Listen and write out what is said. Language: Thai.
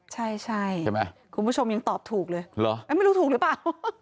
ใช่คุณผู้ชมยังตอบถูกเลยไม่รู้ถูกหรือเปล่า